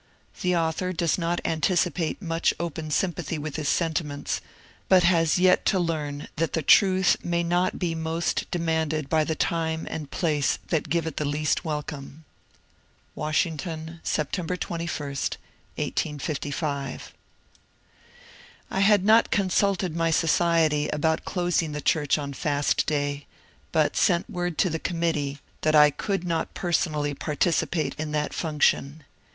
The author does not anticipate much open sym pathy with his sentiments, but has yet to learn that the truth may not be most demanded by the time and place that give it the least welcome. Washington, September 21, 1855. I had not consulted my society about closing the church on Fast Day, but sent word to the committee that I could not 198 MONCUBE DANIEL C50NWAT personally participate in that function.